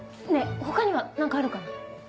ねぇ他には何かあるかな？